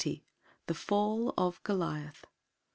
THE FALL OF GOLIATH.